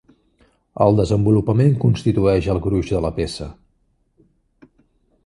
El desenvolupament constitueix el gruix de la peça.